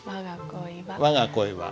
「わが恋は」。